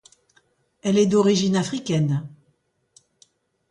Elle est d'origine africaine.